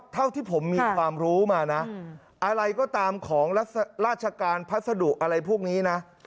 เท่าที่ผมมีความรู้มานะอะไรก็ตามของราชการพัสดุอะไรพวกนี้นะ